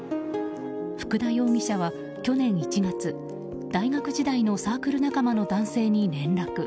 福田容疑者は去年１月大学時代のサークル仲間の男性に連絡。